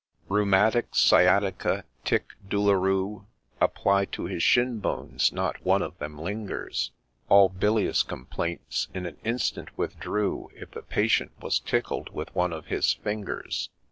Rheumatics, — sciatica, — tic douloureux ! Apply to his shin bones — not one of them lingers; — All bilious complaints in an instant withdrew If the patient was tickled with one of his fingers.